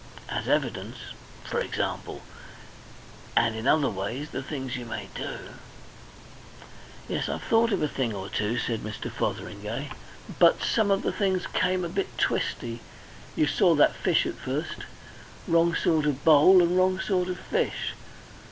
As evidence, for example! And in other ways, the things you may do..." "Yes, I've thought of a thing or two," said Mr. Fotheringay. "But some of the things came a bit twisty. You saw that fish at first? Wrong sort of bowl and wrong sort of fish.